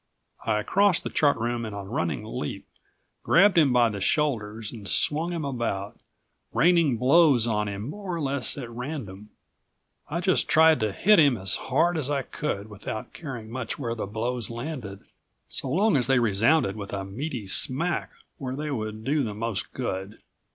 I crossed the Chart Room in a running leap, grabbed him by the shoulders and swung him about, raining blows on him more or less at random. I just tried to hit him as hard as I could without caring much where the blows landed, so long as they resounded with a meaty smack where they would do the most good.